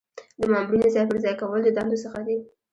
د مامورینو ځای پر ځای کول د دندو څخه دي.